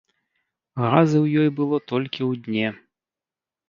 Газы ў ёй было толькі ў дне.